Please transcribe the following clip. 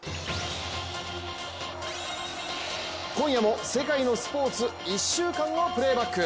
今夜も世界のスポーツ１週間をプレイバック。